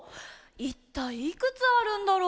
いったいいくつあるんだろう？